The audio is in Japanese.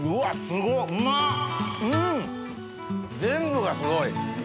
全部がすごい。